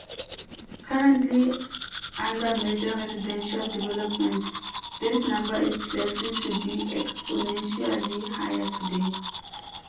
Currently under major residential development this number is likely to be exponentially higher today.